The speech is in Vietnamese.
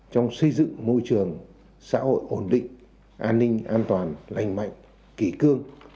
trong xây dựng môi trường xã hội ổn định an ninh an toàn lành mạnh kỷ cương